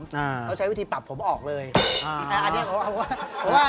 แล้วใช้วิธีปรับผมออกเลย